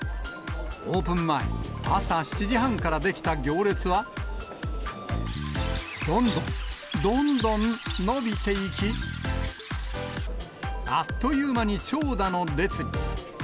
オープン前、朝７時半から出来た行列は、どんどん、どんどん伸びていき、あっという間に長蛇の列に。